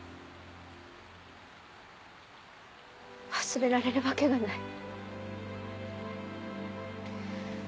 忘れられるわけがない。